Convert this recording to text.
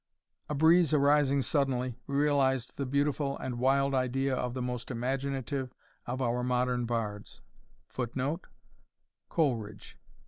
A breeze arising suddenly, realized the beautiful and wild idea of the most imaginative of our modern bards [Footnote: Coleridge.